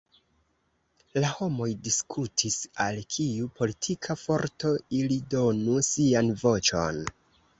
La homoj diskutis al kiu politika forto ili donu sian voĉon.